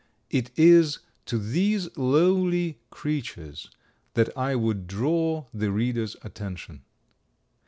It is to these lowly creatures that I would draw the reader's attention.